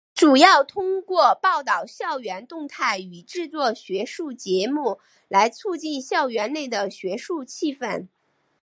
主要透过报导校园动态与制作学术节目来促进校园内的学术气氛。